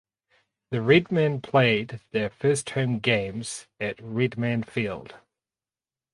The Redmen played their home games at Redman Field.